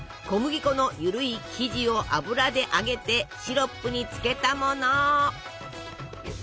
小麦粉の緩い生地を油で揚げてシロップに漬けたもの。